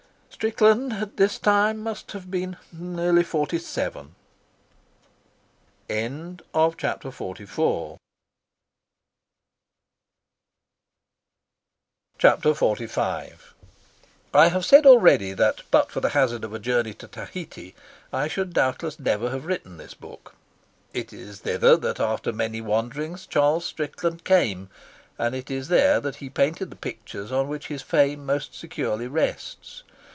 Strickland at this time must have been nearly forty seven. Chapter XLV I have said already that but for the hazard of a journey to Tahiti I should doubtless never have written this book. It is thither that after many wanderings Charles Strickland came, and it is there that he painted the pictures on which his fame most securely rests.